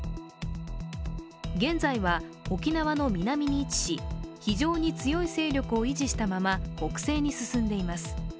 現在は沖縄の南に位置し非常に強い勢力を維持したまま北西に進んでいます。